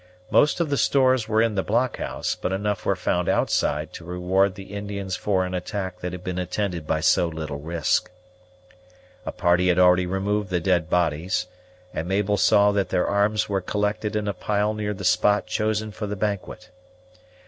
Most of the stores were in the blockhouse; but enough were found outside to reward the Indians for an attack that had been attended by so little risk. A party had already removed the dead bodies, and Mabel saw that their arms were collected in a pile near the spot chosen for the banquet.